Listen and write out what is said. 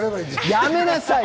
やめなさい！